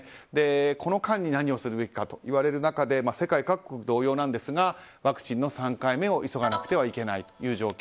この間に何をするべきかと言われる中で世界各国同様なんですがワクチンの３回目を急がなくてはいけないという状況。